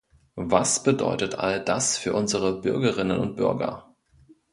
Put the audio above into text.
Was bedeutet all das für unsere Bürgerinnen und Bürger?